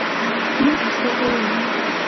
مونږ زده کوو